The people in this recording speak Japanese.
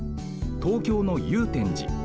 東京の祐天寺。